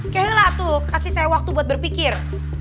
kehela tuh kasih saya waktu buat berpikir